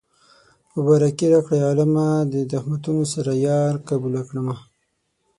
مبارکي راکړئ عالمه د تهمتونو سره يار قبوله کړمه